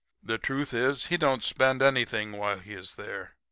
The truth is, he don't spend anything while he is there.